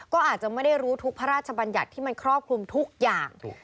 ก็อาจจะไม่ได้รู้ทุกพระราชบัญญัติที่มันครอบคลุมทุกอย่าง